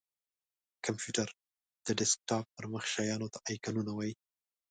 کمپېوټر:د ډیسکټاپ پر مخ شېانو ته آیکنونه وایې!